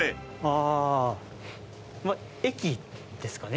駅ですかね。